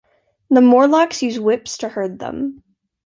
The Morlocks use whips to herd them.